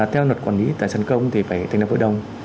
theo luật quản lý tài sản công thì phải thành đặc vụ đồng